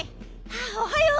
おはよう！